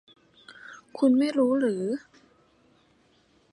คุณไม่รู้หรือ